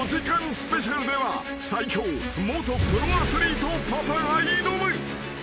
スペシャルでは最強元プロアスリートパパが挑む］